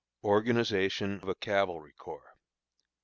ORGANIZATION OF A CAVALRY CORPS.